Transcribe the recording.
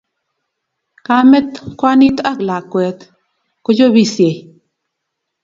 Kamet, kwanit ak lakwet kochopisiei